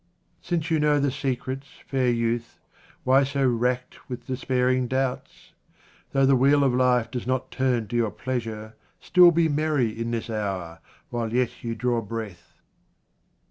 Since you know the secrets, fair youth, why so racked with despairing doubts i Though the wheel of life does not turn to your pleasure still be merry in this hoar, while yet you draw breath.